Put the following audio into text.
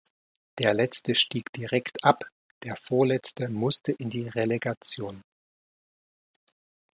Der Letzte stieg direkt ab, der Vorletzte musste in die Relegation.